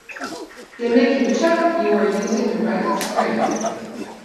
they make you check you are using the right string